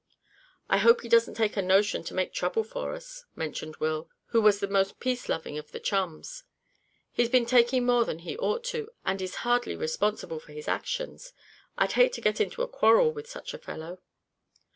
"I hope he doesn't take a notion to make trouble for us," mentioned Will, who was the most peace loving of the chums. "He's been taking more than he ought to, and is hardly responsible for his actions. I'd hate to get into a quarrel with such a fellow."